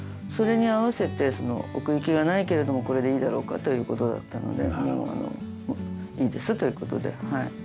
それに合わせてその奥行きがないけれどもこれでいいだろうかという事だったのでいいですという事ではい。